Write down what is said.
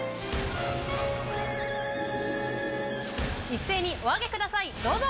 一斉にお上げくださいどうぞ！